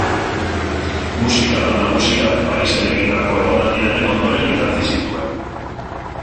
Musika-lan nagusiak Parisen egindako egonaldiaren ondoren idatzi zituen.